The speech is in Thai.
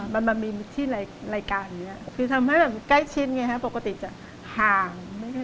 มันมามีที่รายการนี้คือทำให้แบบใกล้ชิดไงฮะปกติจะห่าง